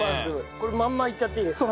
これまんまいっちゃっていいですか？